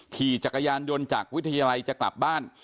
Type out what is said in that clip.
ขี่จักรยานยนต์จากวิทยาลัยจะกลับบ้าน